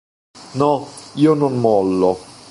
No, io non mollo.